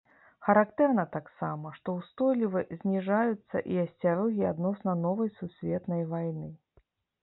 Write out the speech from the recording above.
Характэрна таксама, што устойліва зніжаюцца і асцярогі адносна новай сусветнай вайны.